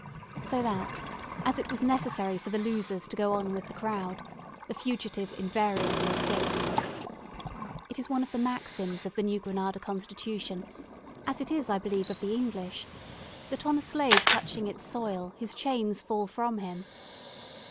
So that, as it was necessary for the losers to go on with the crowd, the fugitive invariably escaped. It is one of the maxims of the New Granada constitution as it is, I believe, of the English that on a slave touching its soil his chains fall from him.